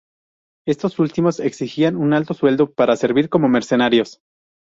Estos últimos exigían un alto sueldo para servir como mercenarios.